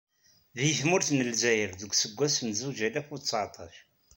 Deg tmurt n Lezzayer deg useggas n zuǧ alaf u seεṭac..